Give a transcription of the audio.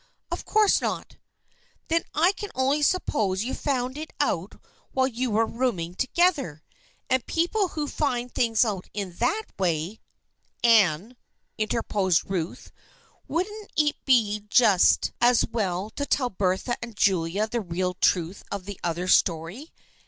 "" Of course not." " Then I can only suppose that you found it out while you were rooming together, and people who find out things in that way "" Anne," interposed Ruth, " wouldn't it be just 240 THE FBIENDSHIP OF ANNE as well to tell Bertha and Julia the real truth of the other story?